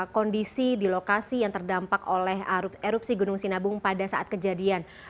kondisi di lokasi yang terdampak oleh erupsi gunung sinabung pada saat kejadian